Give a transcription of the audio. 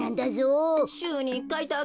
しゅうに１かいだけ？